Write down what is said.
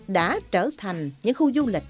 đã trở thành những khu du lịch